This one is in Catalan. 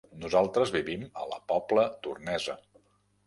Nosaltres vivim a la Pobla Tornesa.